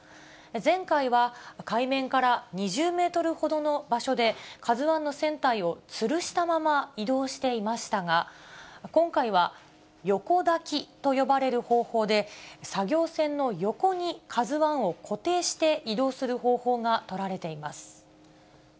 前回は海面から２０メートルほどの場所で、ＫＡＺＵＩの船体をつるしたまま、移動していましたが、今回は横抱きと呼ばれる方法で、作業船の横にＫＡＺＵＩを固定して移動する方法が取られています。